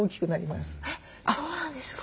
えっそうなんですか？